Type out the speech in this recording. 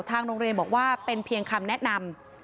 ทางโรงเรียนบอกว่าเป็นเพียงคำแนะนำ